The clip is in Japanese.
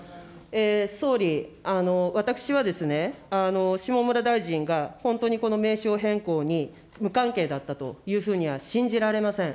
総理、私はですね、下村大臣が本当にこの名称変更に無関係だったというふうには信じられません。